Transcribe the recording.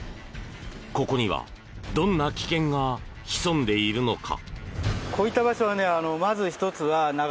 ここにはどんな危険が潜んでいるのか。